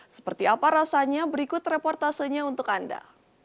seperti apa rasanya berikut reportasenya untuk anda